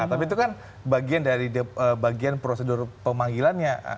tapi itu kan bagian dari bagian prosedur pemanggilannya